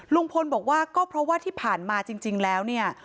ลุงพลบอกว่าก็เพราะว่าที่ผ่านมาจริงแล้วเนี่ย